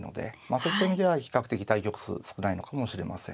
そういった意味では比較的対局数少ないのかもしれません。